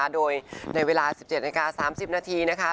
โดยในเวลา๑๗นาที๓๐นาทีนะคะ